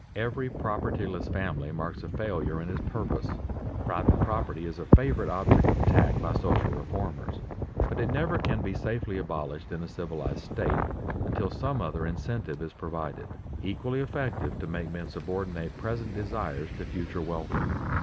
Every propertyless family marks a failure in its purpose. Private property is a favorite object of attack by social reformers, but it never can be safely abolished in a civilized state until some other incentive is provided, equally effective to make men subordinate present desires to future welfare.